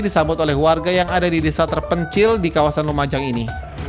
disambut oleh warga yang ada di desa terpencil di kawasan lumajang ini